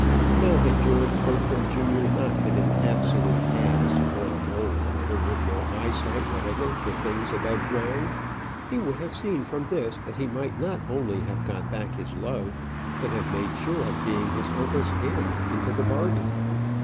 Now had George Bertram junior not been an absolute ass, or a mole rather with no eyesight whatever for things above ground, he would have seen from this that he might not only have got back his love, but have made sure of being his uncle's heir into the bargain.